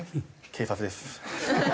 警察です。